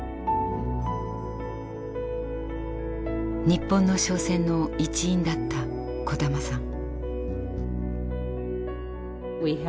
日本の商船の一員だった小玉さん。